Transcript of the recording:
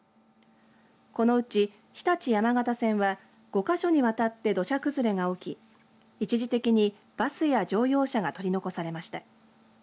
このうち日立山方線は５か所にわたって土砂崩れが起き一時的にバスや乗用車が取り残されました。